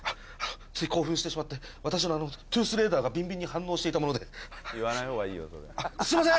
つい興奮してしまって私のあのトゥースレーダーがビンビンに反応していたものですいません！